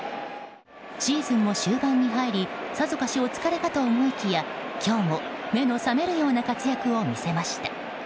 シーズンも終盤に入りさぞかしお疲れかと思いきや今日も目の覚めるような活躍を見せました。